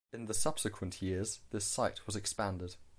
In the subsequent years this site was expanded.